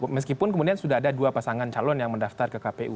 meskipun kemudian sudah ada dua pasangan calon yang mendaftar ke kpu